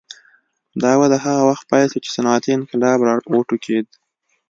دا وده هغه وخت پیل شوه چې صنعتي انقلاب راوټوکېد.